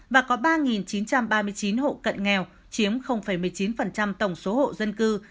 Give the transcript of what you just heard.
và có ba chín trăm ba mươi chín hộ cận nghèo chiếm một mươi chín tổng số hộ dân cư